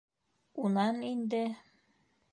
Унан инде...